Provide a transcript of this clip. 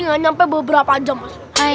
gak nyampe beberapa jam pak srik giti